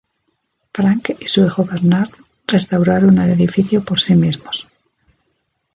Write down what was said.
Frank y su hijo Bernard restauraron el edificio por sí mismos.